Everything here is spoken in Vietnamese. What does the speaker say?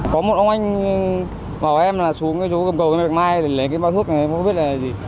có một ông anh bảo em là xuống cái chỗ cầm cầu này lấy cái báo thuốc này không biết là gì